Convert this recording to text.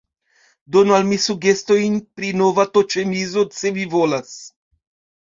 Donu al mi sugestojn pri nova t-ĉemizo, se vi volas.